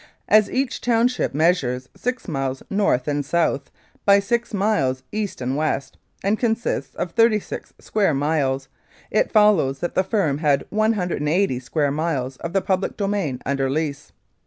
As each township measures six miles north and south by six miles east and west, and consists of thirty six square miles, it follows that the firm had 180 square miles of the public domain under lease.